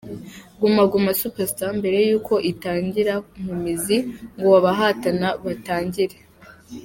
Guma Guma Super Star mbere yuko itangira mu mizi ngo abahatana batangire.